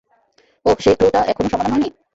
ওহ, সেই ক্লু টা এখনও সমাধান হয়নি।